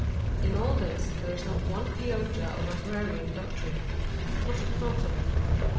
In all this there is not one iota of agrarian doctrine not a thought of it.